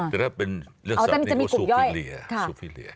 แต่ถ้าเป็นเรื่องศาสตร์นี้ก็ว่าซูฟิลเลียซูฟิลเลีย